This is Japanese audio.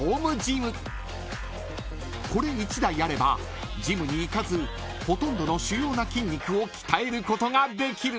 ［これ１台あればジムに行かずほとんどの主要な筋肉を鍛えることができる］